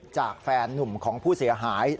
จากแฟนนุ่มของผู้เสียหาย